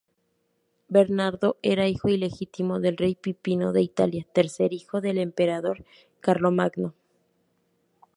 Bernardo era hijo ilegítimo del rey Pipino de Italia, tercer hijo del emperador Carlomagno.